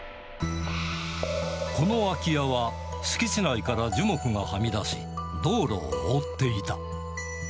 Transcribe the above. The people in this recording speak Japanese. この空き家は、敷地内から樹木がはみ出し、道路を覆っていた。